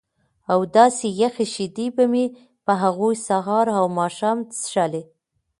او داسې یخې شیدې به مې په هغو سهار و ماښام څښلې.